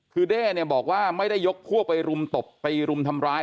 คือเด้เนี่ยบอกว่าไม่ได้ยกพวกไปรุมตบตีรุมทำร้าย